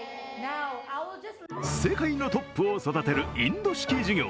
世界のトップを育てるインド式授業。